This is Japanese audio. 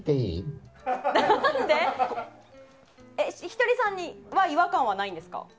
ひとりさんには違和感はないんですか？